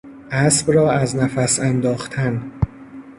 اسب را از نفس انداختن